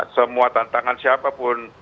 semua tantangan siapapun